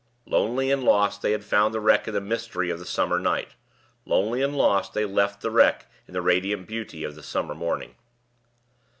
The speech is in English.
Lonely and lost they had found the wreck in the mystery of the summer night; lonely and lost they left the wreck in the radiant beauty of the summer morning.